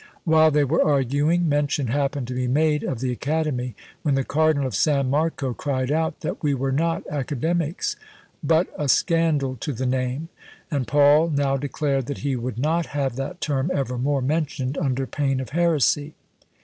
While they were arguing, mention happened to be made of 'the Academy,' when the Cardinal of San Marco cried out, that we were not 'Academics,' but a scandal to the name; and Paul now declared that he would not have that term evermore mentioned under pain of heresy.